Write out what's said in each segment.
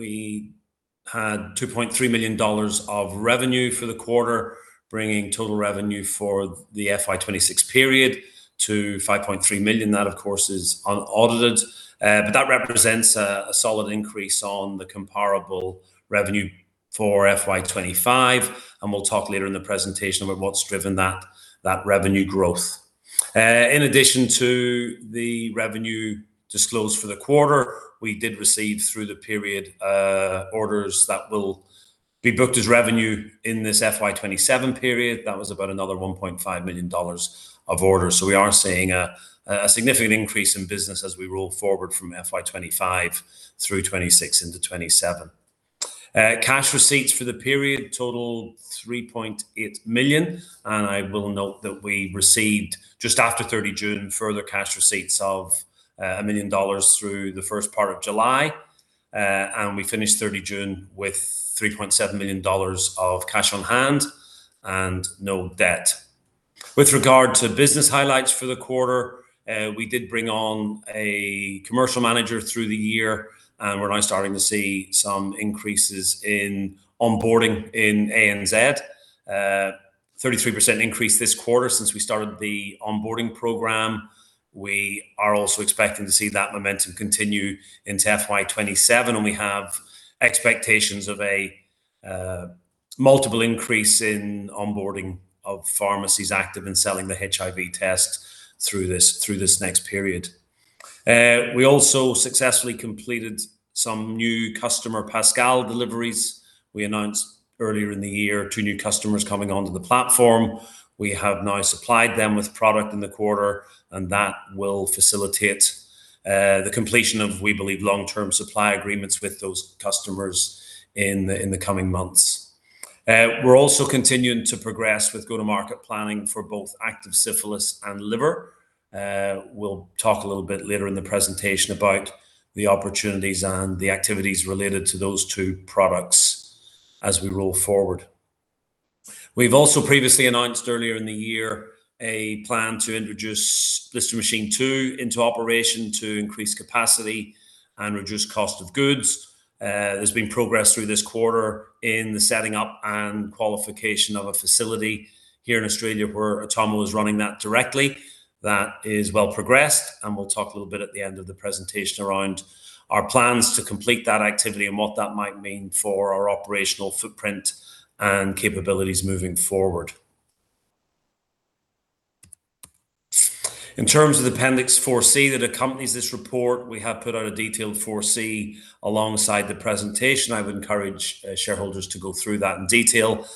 We had 2.3 million dollars of revenue for the quarter, bringing total revenue for the FY 2026 period to 5.3 million. That, of course, is unaudited, but that represents a solid increase on the comparable revenue for FY 2025, and we will talk later in the presentation about what has driven that revenue growth. In addition to the revenue disclosed for the quarter, we did receive through the period, orders that will be booked as revenue in this FY 2027 period. That was about another 1.5 million dollars of orders. We are seeing a significant increase in business as we roll forward from FY 2025 through 2026 into 2027. Cash receipts for the period totaled 3.8 million, and I will note that we received just after 30 June, further cash receipts of 1 million dollars through the first part of July. We finished 30 June with 3.7 million dollars of cash on hand and no debt. With regard to business highlights for the quarter, we did bring on a commercial manager through the year, and we are now starting to see some increases in onboarding in ANZ. 33% increase this quarter since we started the onboarding program. We are also expecting to see that momentum continue into FY 2027, and we have expectations of a multiple increase in onboarding of pharmacies active in selling the HIV test through this next period. We also successfully completed some new customer Pascal deliveries. We announced earlier in the year two new customers coming onto the platform. We have now supplied them with product in the quarter, and that will facilitate the completion of, we believe, long-term supply agreements with those customers in the coming months. We are also continuing to progress with go-to-market planning for both active syphilis and liver. We will talk a little bit later in the presentation about the opportunities and the activities related to those two products as we roll forward. We have also previously announced earlier in the year a plan to introduce Blister Machine-mk2 into operation to increase capacity and reduce cost of goods. There has been progress through this quarter in the setting up and qualification of a facility here in Australia, where Atomo is running that directly. That is well progressed, and we will talk a little bit at the end of the presentation around our plans to complete that activity and what that might mean for our operational footprint and capabilities moving forward. In terms of Appendix 4C that accompanies this report, we have put out a detailed 4C alongside the presentation. I would encourage shareholders to go through that in detail.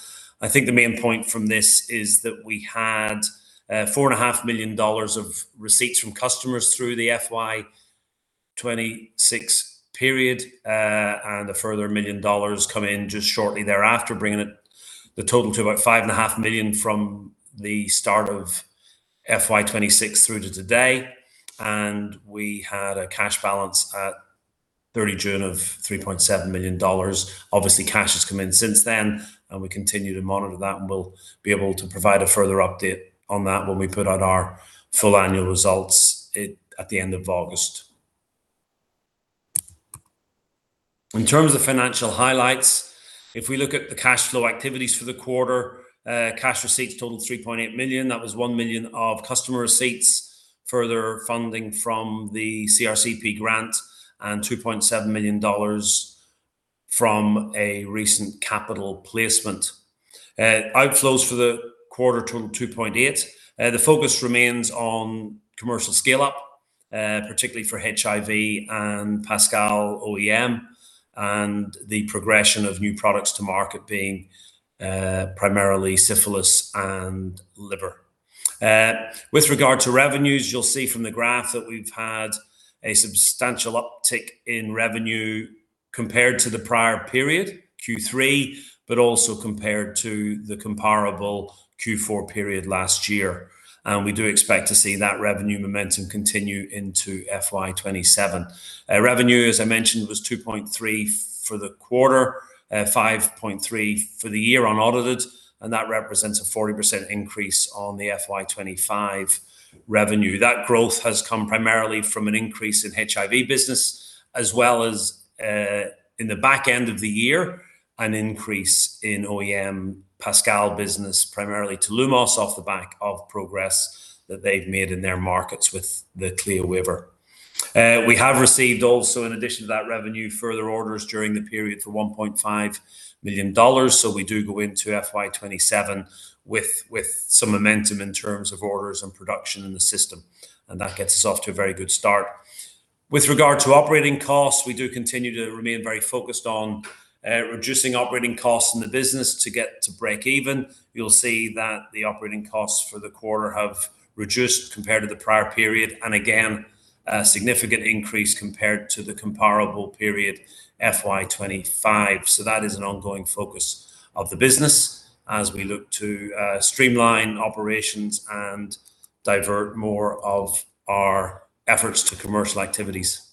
I think the main point from this is that we had 4.5 million dollars of receipts from customers through the FY 2026 period. A further 1 million dollars come in just shortly thereafter, bringing the total to about 5.5 million from the start of FY 2026 through to today. We had a cash balance at 30 June of 3.7 million dollars. Obviously, cash has come in since then, and we continue to monitor that, and we will be able to provide a further update on that when we put out our full annual results at the end of August. In terms of financial highlights, if we look at the cash flow activities for the quarter, cash receipts totaled 3.8 million. That was 1 million of customer receipts, further funding from the CRC-P grant and 2.7 million dollars from a recent capital placement. Outflows for the quarter totaled 2.8. The focus remains on commercial scale-up, particularly for HIV and Pascal OEM, and the progression of new products to market being primarily syphilis and liver. With regard to revenues, you'll see from the graph that we've had a substantial uptick in revenue compared to the prior period, Q3, but also compared to the comparable Q4 period last year. We do expect to see that revenue momentum continue into FY 2027. Revenue, as I mentioned, was 2.3 for the quarter, 5.3 for the year unaudited, and that represents a 40% increase on the FY 2025 revenue. That growth has come primarily from an increase in HIV business as well as, in the back end of the year, an increase in OEM Pascal business, primarily to Lumos, off the back of progress that they've made in their markets with the CLIA waiver. We have received also, in addition to that revenue, further orders during the period for 1.5 million dollars. We do go into FY 2027 with some momentum in terms of orders and production in the system, and that gets us off to a very good start. With regard to operating costs, we do continue to remain very focused on reducing operating costs in the business to get to breakeven. You'll see that the operating costs for the quarter have reduced compared to the prior period. Again, a significant increase compared to the comparable period FY 2025. That is an ongoing focus of the business as we look to streamline operations and divert more of our efforts to commercial activities.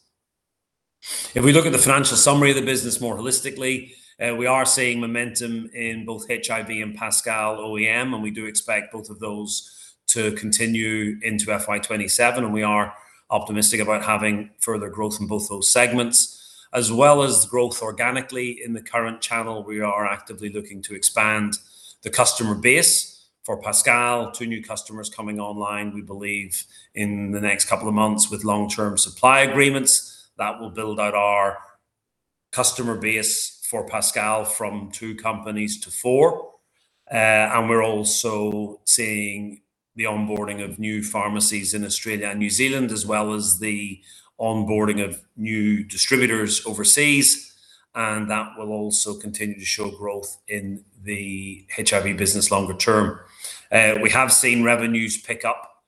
If we look at the financial summary of the business more holistically, we are seeing momentum in both HIV and Pascal OEM, we do expect both of those to continue into FY 2027, and we are optimistic about having further growth in both those segments. As well as growth organically in the current channel, we are actively looking to expand the customer base for Pascal. Two new customers coming online, we believe, in the next couple of months with long-term supply agreements. That will build out our customer base for Pascal from two companies to four. We're also seeing the onboarding of new pharmacies in Australia and New Zealand, as well as the onboarding of new distributors overseas, and that will also continue to show growth in the HIV business longer term. We have seen revenues pick up,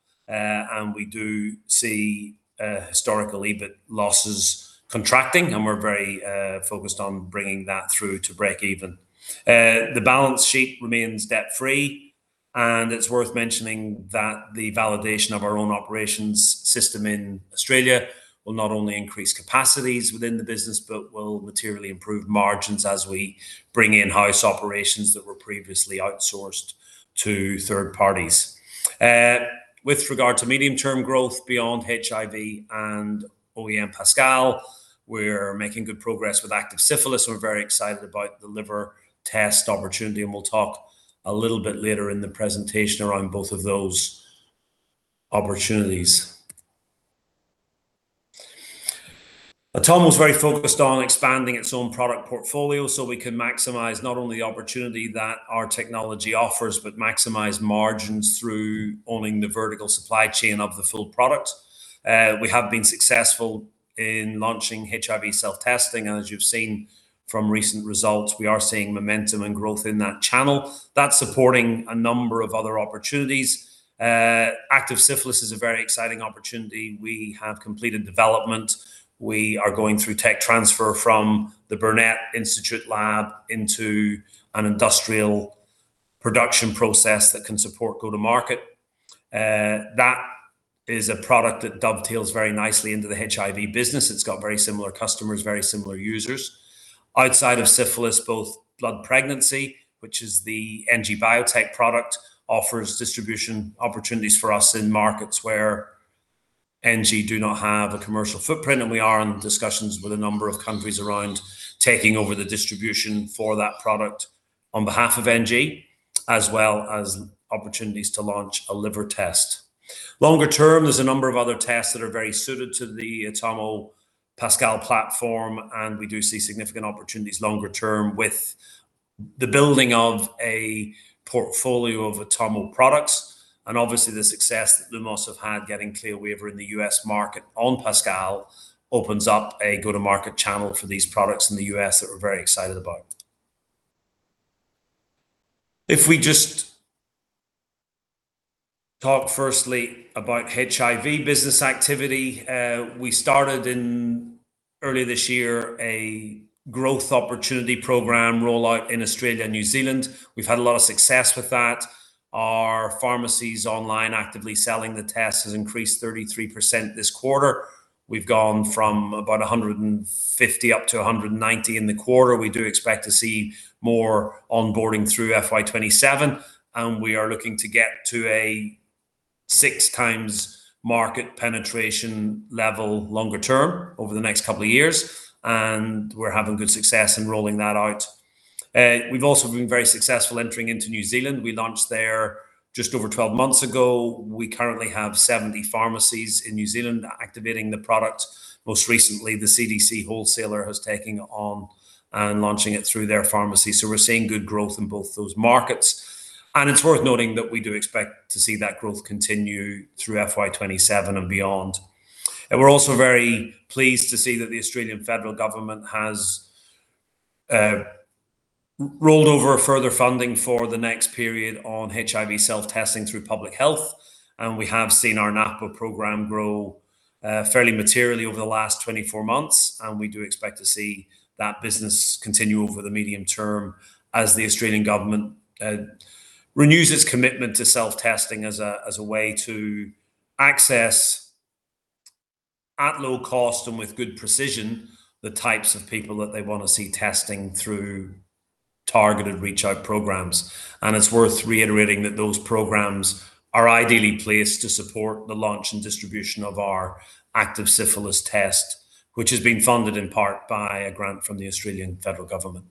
we do see historical EBIT losses contracting, and we're very focused on bringing that through to breakeven. The balance sheet remains debt-free, it's worth mentioning that the validation of our own operations system in Australia will not only increase capacities within the business but will materially improve margins as we bring in-house operations that were previously outsourced to third parties. With regard to medium-term growth beyond HIV and OEM Pascal, we're making good progress with active syphilis. We're very excited about the liver test opportunity, we'll talk a little bit later in the presentation around both of those opportunities. Atomo was very focused on expanding its own product portfolio so we can maximize not only the opportunity that our technology offers, but maximize margins through owning the vertical supply chain of the full product. We have been successful in launching HIV self-testing, and as you've seen from recent results, we are seeing momentum and growth in that channel. That's supporting a number of other opportunities. Active syphilis is a very exciting opportunity. We have completed development. We are going through tech transfer from the Burnet Institute lab into an industrial production process that can support go-to-market. That is a product that dovetails very nicely into the HIV business. It's got very similar customers, very similar users. Outside of syphilis, both blood pregnancy, which is the NG Biotech product, offers distribution opportunities for us in markets where NG do not have a commercial footprint, and we are in discussions with a number of countries around taking over the distribution for that product on behalf of NG. As well as opportunities to launch a liver test. Longer term, there's a number of other tests that are very suited to the Atomo Pascal platform, and we do see significant opportunities longer term with the building of a portfolio of Atomo products. The success that Lumos had getting CLIA waiver in the U.S. market on Pascal opens up a go-to-market channel for these products in the U.S. that we're very excited about. If we just talk firstly about HIV business activity. We started in early this year a growth opportunity program rollout in Australia and New Zealand. We've had a lot of success with that. Our pharmacies online actively selling the test has increased 33% this quarter. We've gone from about 150 up to 190 in the quarter. We do expect to see more onboarding through FY 2027, and we are looking to get to a 6x market penetration level longer term over the next couple of years, and we're having good success in rolling that out. We've also been very successful entering into New Zealand. We launched there just over 12 months ago. We currently have 70 pharmacies in New Zealand activating the product. Most recently, the CDC wholesaler has taken it on and launching it through their pharmacy. We're seeing good growth in both those markets. It's worth noting that we do expect to see that growth continue through FY 2027 and beyond. We're also very pleased to see that the Australian federal government has rolled over further funding for the next period on HIV self-testing through public health. We have seen our NAPWHA program grow fairly materially over the last 24 months, and we do expect to see that business continue over the medium term as the Australian government renews its commitment to self-testing as a way to access, at low cost and with good precision, the types of people that they want to see testing through targeted reach-out programs. It's worth reiterating that those programs are ideally placed to support the launch and distribution of our active syphilis test, which has been funded in part by a grant from the Australian federal government.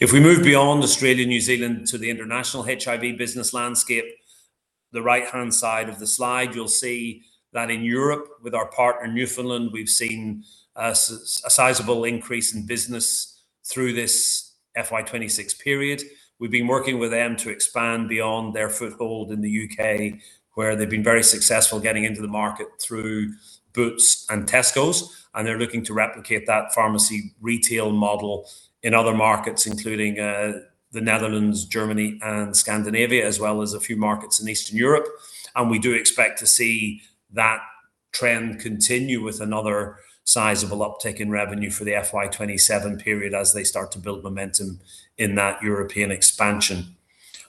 If we move beyond Australia and New Zealand to the international HIV business landscape, the right-hand side of the slide, you'll see that in Europe with our partner, Newfoundland, we've seen a sizable increase in business through this FY 2026 period. We've been working with them to expand beyond their foothold in the U.K., where they've been very successful getting into the market through Boots and Tesco, they're looking to replicate that pharmacy retail model in other markets, including the Netherlands, Germany, and Scandinavia, as well as a few markets in Eastern Europe. We do expect to see that trend continue with another sizable uptick in revenue for the FY 2027 period as they start to build momentum in that European expansion.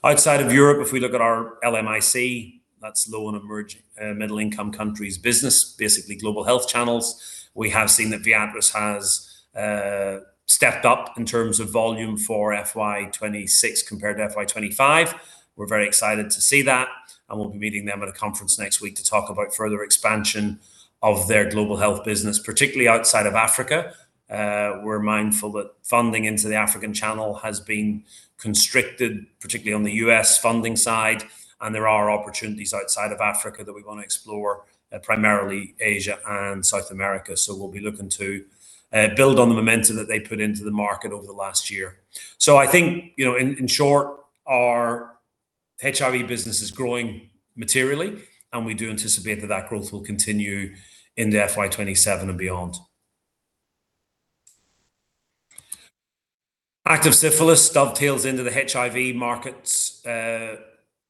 Outside of Europe, if we look at our LMIC, that's low and emerging and middle-income countries business, basically global health channels. We have seen that Viatris has Stepped up in terms of volume for FY 2026 compared to FY 2025. We're very excited to see that, we'll be meeting them at a conference next week to talk about further expansion of their global health business, particularly outside of Africa. We're mindful that funding into the African channel has been constricted, particularly on the U.S. funding side, there are opportunities outside of Africa that we want to explore, primarily Asia and South America. We'll be looking to build on the momentum that they put into the market over the last year. I think, in short, our HIV business is growing materially, and we do anticipate that that growth will continue into FY 2027 and beyond. Active syphilis dovetails into the HIV markets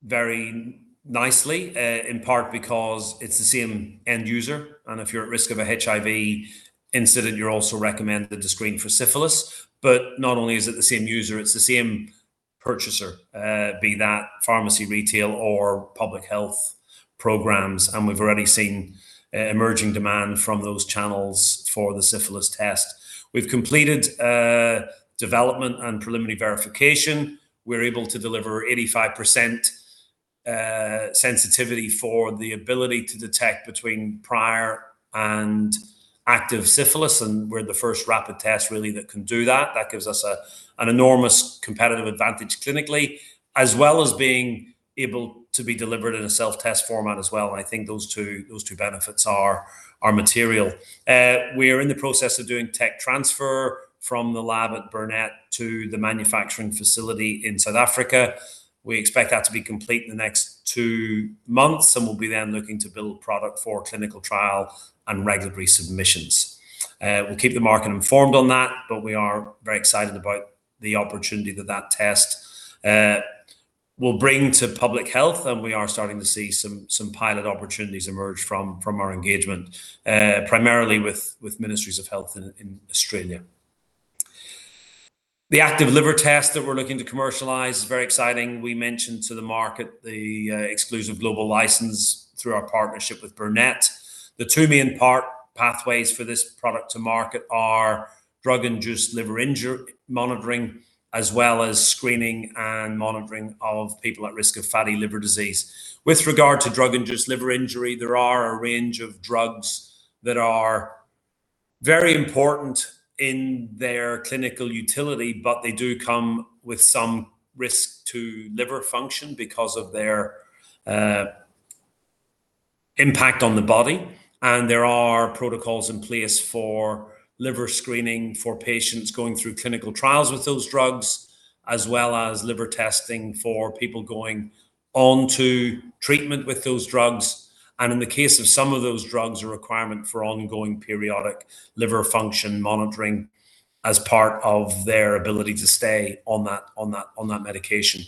very nicely, in part because it's the same end user, and if you're at risk of a HIV incident, you're also recommended to screen for syphilis. Not only is it the same user, it's the same purchaser, be that pharmacy retail or public health programs, we've already seen emerging demand from those channels for the syphilis test. We've completed development and preliminary verification. We're able to deliver 85% sensitivity for the ability to detect between prior and active syphilis, we're the first rapid test really that can do that. That gives us an enormous competitive advantage clinically, as well as being able to be delivered in a self-test format as well. I think those two benefits are material. We are in the process of doing tech transfer from the lab at Burnet to the manufacturing facility in South Africa. We expect that to be complete in the next two months, we'll be then looking to build product for clinical trial and regulatory submissions. We'll keep the market informed on that, we are very excited about the opportunity that test will bring to public health, we are starting to see some pilot opportunities emerge from our engagement, primarily with ministries of health in Australia. The active liver test that we're looking to commercialize is very exciting. We mentioned to the market the exclusive global license through our partnership with Burnet. The two main pathways for this product to market are drug-induced liver injury monitoring, as well as screening and monitoring of people at risk of fatty liver disease. With regard to drug-induced liver injury, there are a range of drugs that are very important in their clinical utility, they do come with some risk to liver function because of their impact on the body. There are protocols in place for liver screening for patients going through clinical trials with those drugs, as well as liver testing for people going on to treatment with those drugs. In the case of some of those drugs, a requirement for ongoing periodic liver function monitoring as part of their ability to stay on that medication.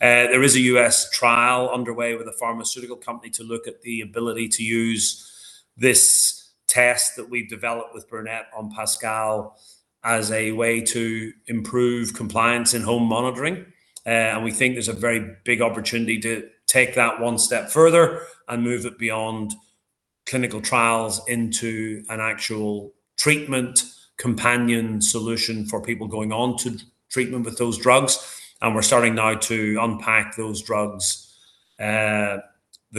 There is a U.S. trial underway with a pharmaceutical company to look at the ability to use this test that we've developed with Burnet on Pascal as a way to improve compliance in home monitoring. We think there's a very big opportunity to take that one step further and move it beyond clinical trials into an actual treatment companion solution for people going on to treatment with those drugs. We're starting now to unpack those drugs, the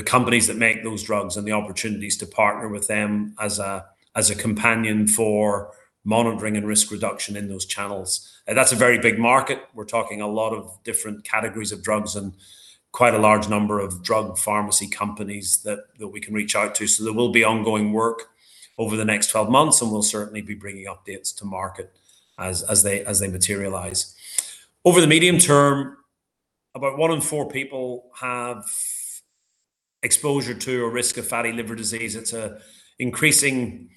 companies that make those drugs, and the opportunities to partner with them as a companion for monitoring and risk reduction in those channels. That's a very big market. We're talking a lot of different categories of drugs and quite a large number of drug pharmacy companies that we can reach out to. There will be ongoing work over the next 12 months, and we'll certainly be bringing updates to market as they materialize. Over the medium term, about one in four people have exposure to or risk of fatty liver disease. It's an increasing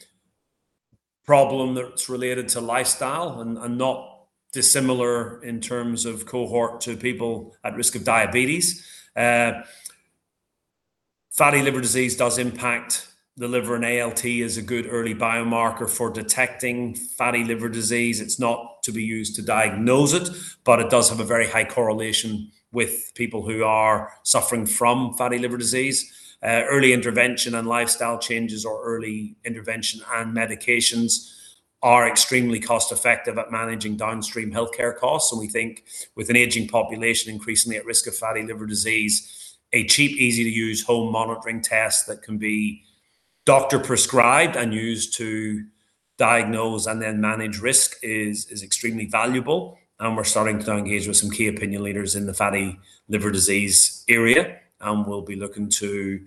problem that's related to lifestyle and not dissimilar in terms of cohort to people at risk of diabetes. Fatty liver disease does impact the liver, and ALT is a good early biomarker for detecting fatty liver disease. It's not to be used to diagnose it, but it does have a very high correlation with people who are suffering from fatty liver disease. Early intervention and lifestyle changes or early intervention and medications are extremely cost-effective at managing downstream healthcare costs. We think with an aging population increasingly at risk of fatty liver disease, a cheap, easy-to-use home monitoring test that can be doctor-prescribed and used to diagnose and then manage risk is extremely valuable. We're starting to engage with some key opinion leaders in the fatty liver disease area. We'll be looking to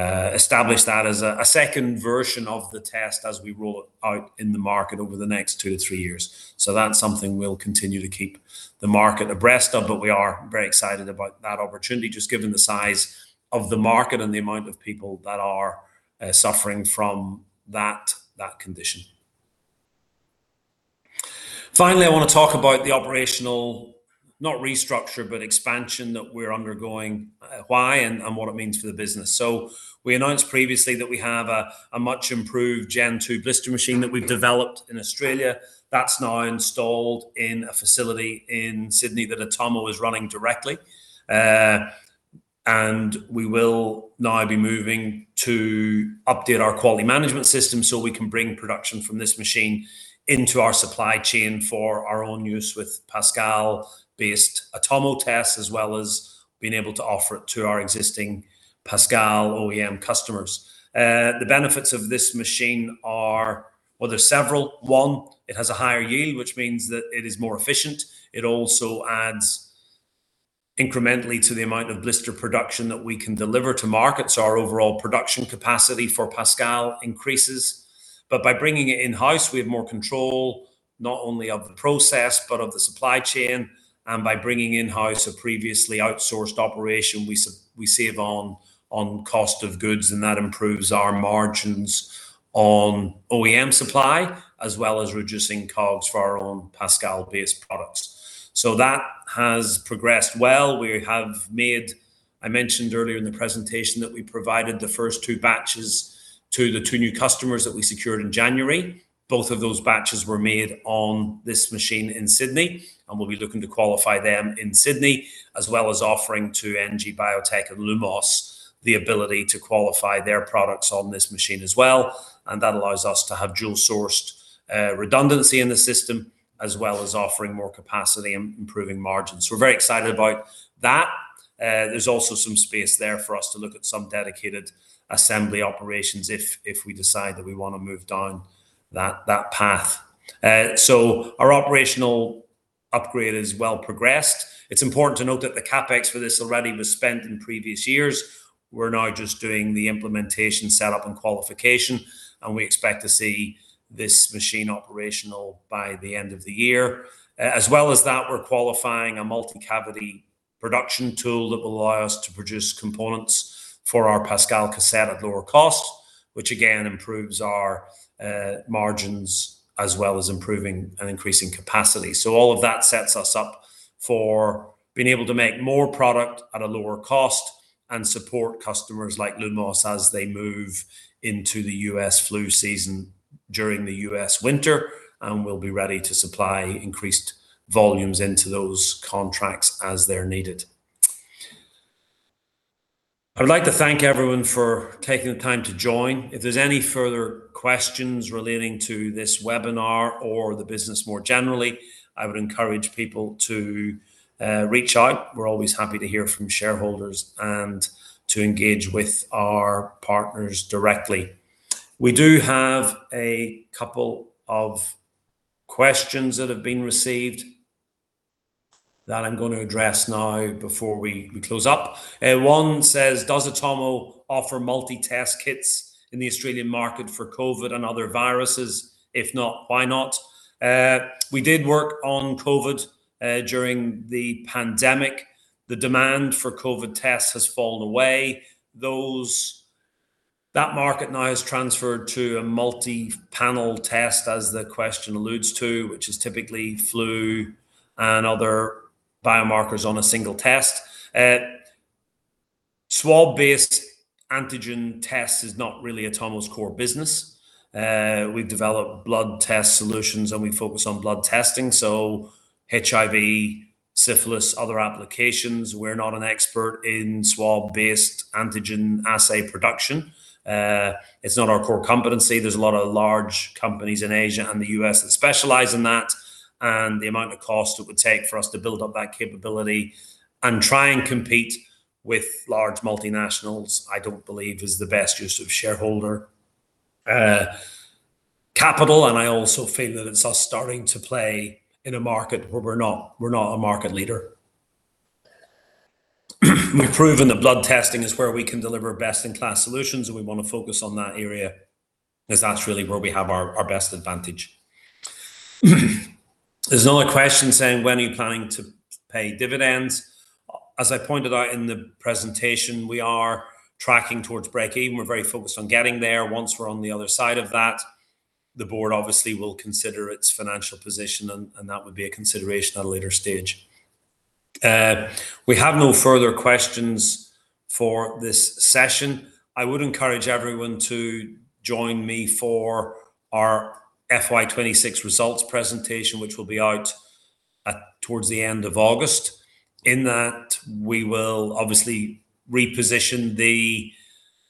establish that as a second version of the test as we roll it out in the market over the next two to three years. That's something we'll continue to keep the market abreast of, but we are very excited about that opportunity, just given the size of the market and the amount of people that are suffering from that condition. Finally, I want to talk about the operational, not restructure, but expansion that we're undergoing, why and what it means for the business. We announced previously that we have a much improved Gen 2 blister machine that we've developed in Australia that's now installed in a facility in Sydney that Atomo is running directly. We will now be moving to update our quality management system so we can bring production from this machine into our supply chain for our own use with Pascal-based Atomo tests, as well as being able to offer it to our existing Pascal OEM customers. The benefits of this machine are There's several. One, it has a higher yield, which means that it is more efficient. It also adds incrementally to the amount of blister production that we can deliver to market, so our overall production capacity for Pascal increases. But by bringing it in-house, we have more control not only of the process but of the supply chain. And by bringing in-house a previously outsourced operation, we save on cost of goods, and that improves our margins on OEM supply, as well as reducing COGS for our own Pascal-based products. That has progressed well. We have made, I mentioned earlier in the presentation that we provided the first two batches to the two new customers that we secured in January. Both of those batches were made on this machine in Sydney, and we will be looking to qualify them in Sydney, as well as offering to NG Biotech and Lumos Diagnostics the ability to qualify their products on this machine as well. And that allows us to have dual-sourced redundancy in the system, as well as offering more capacity and improving margins. We are very excited about that. There is also some space there for us to look at some dedicated assembly operations if we decide that we want to move down that path. So our operational upgrade is well progressed. It is important to note that the CapEx for this already was spent in previous years. We are now just doing the implementation, setup, and qualification, and we expect to see this machine operational by the end of the year. As well as that, we are qualifying a multi-cavity production tool that will allow us to produce components for our Pascal cassette at lower cost, which again improves our margins as well as improving and increasing capacity. So all of that sets us up for being able to make more product at a lower cost and support customers like Lumos Diagnostics as they move into the U.S. flu season during the U.S. winter, and we will be ready to supply increased volumes into those contracts as they are needed. I would like to thank everyone for taking the time to join. If there is any further questions relating to this webinar or the business more generally, I would encourage people to reach out. We are always happy to hear from shareholders and to engage with our partners directly. We do have a couple of questions that have been received that I am going to address now before we close up. One says, "Does Atomo Diagnostics offer multi-test kits in the Australian market for COVID and other viruses? If not, why not?" We did work on COVID during the pandemic. The demand for COVID tests has fallen away. That market now has transferred to a multi-panel test, as the question alludes to, which is typically flu and other biomarkers on a single test. Swab-based antigen tests is not really Atomo Diagnostics' core business. We develop blood test solutions, and we focus on blood testing. So HIV, syphilis, other applications. We are not an expert in swab-based antigen assay production. It is not our core competency. There's a lot of large companies in Asia and the U.S. that specialize in that. The amount of cost it would take for us to build up that capability and try and compete with large multinationals, I don't believe is the best use of shareholder capital. I also feel that it's us starting to play in a market where we're not a market leader. We've proven that blood testing is where we can deliver best-in-class solutions. We want to focus on that area as that's really where we have our best advantage. There's another question saying, "When are you planning to pay dividends?" As I pointed out in the presentation, we are tracking towards breakeven. We're very focused on getting there. Once we're on the other side of that, the board obviously will consider its financial position. That would be a consideration at a later stage. We have no further questions for this session. I would encourage everyone to join me for our FY 2026 results presentation, which will be out towards the end of August. In that, we will obviously reposition the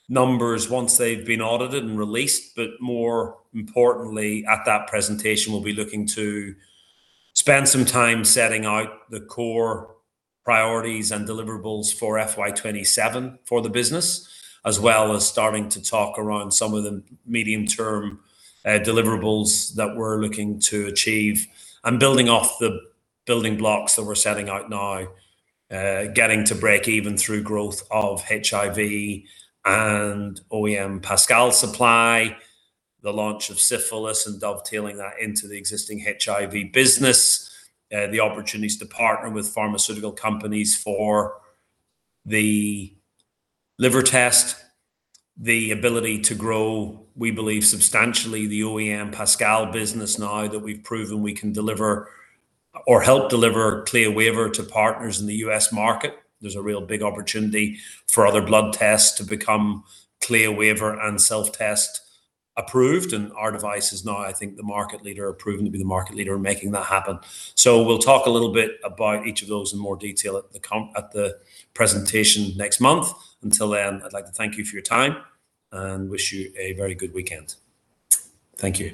numbers once they've been audited and released. More importantly, at that presentation, we'll be looking to spend some time setting out the core priorities and deliverables for FY 2027 for the business, as well as starting to talk around some of the medium-term deliverables that we're looking to achieve and building off the building blocks that we're setting out now. Getting to breakeven through growth of HIV and OEM Pascal supply, the launch of syphilis, and dovetailing that into the existing HIV business. The opportunities to partner with pharmaceutical companies for the liver test. The ability to grow, we believe, substantially the OEM Pascal business now that we've proven we can deliver or help deliver CLIA waiver to partners in the U.S. market. There's a real big opportunity for other blood tests to become CLIA waiver and self-test approved. Our device is now, I think, the market leader or proven to be the market leader in making that happen. We'll talk a little bit about each of those in more detail at the presentation next month. Until then, I'd like to thank you for your time and wish you a very good weekend. Thank you.